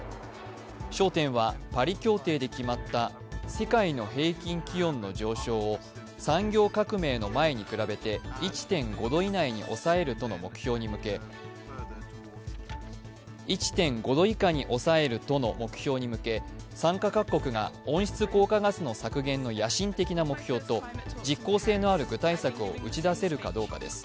焦点は、パリ協定で決まった世界の平均気温の上昇を産業革命の前に比べて１．５度以下に抑えるとの目標に向け、参加各国が温室効果ガスの野心的な目標と、実効性のある具体策を打ち出せるかどうかです。